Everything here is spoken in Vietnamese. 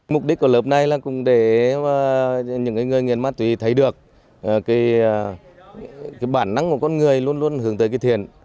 mục đích của lớp này là để những người nghiện ma túy thấy được bản năng của con người luôn luôn hướng tới thiền